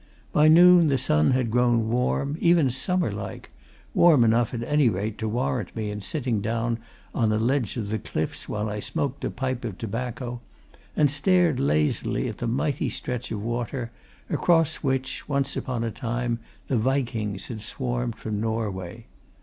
By noon the sun had grown warm, even summer like; warm enough, at any rate, to warrant me in sitting down on a ledge of the cliffs while I smoked a pipe of tobacco and stared lazily at the mighty stretch of water across which, once upon a time, the vikings had swarmed from Norway.